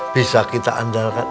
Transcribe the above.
bisa kita andalkan